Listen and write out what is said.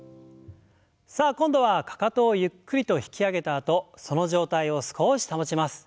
さあ今度はかかとをゆっくりと引き上げたあとその状態を少し保ちます。